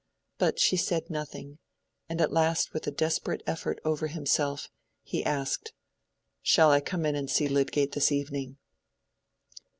But she said nothing, and at last with a desperate effort over himself, he asked, "Shall I come in and see Lydgate this evening?"